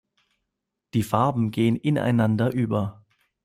Die Farben gehen ineinander über.